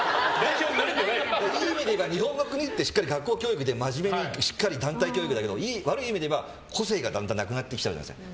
いい意味で言えば日本の国ってしっかり学校教育で真面目にしっかり団体教育だけど悪い意味で言えば個性がだんだんなくなってきちゃうんです。